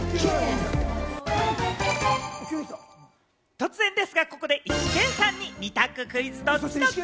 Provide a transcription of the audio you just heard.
突然ですが、ここでイシケンさんに、二択クイズ、ドッチ？